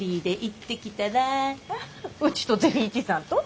えっうちと善一さんと？